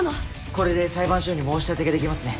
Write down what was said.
これで裁判所に申立てができますね。